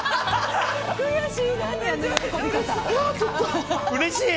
悔しい！